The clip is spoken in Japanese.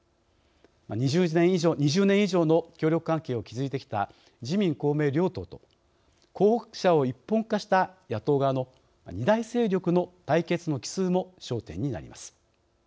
２０年以上の協力関係を築いてきた自民・公明両党と候補者を一本化した野党側の２大勢力の対決の帰すうも焦点になります。